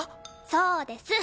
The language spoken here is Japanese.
そうです。